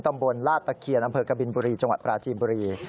ตำบลลาดตะเคียนอำเภอกบินบุรีจังหวัดปราจีนบุรี